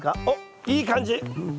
おっいい感じ！